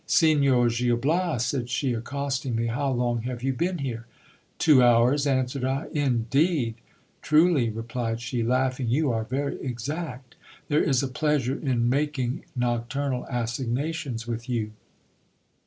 Signor Gil Bias, said she, accosting me, how long have you been here ? Two hours, answered I. Indeed ! Truly, replied she, laughing, you are very exact ; there is a pleasure in making nocturnal assignations with you.